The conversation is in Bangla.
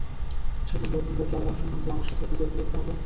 সে বলল, তোমরা কি আল্লাহ সম্বন্ধে আমার সাথে বিতর্কে লিপ্ত হবে?